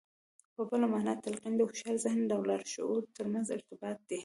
په بله مانا تلقين د هوښيار ذهن او لاشعور ترمنځ ارتباط دی.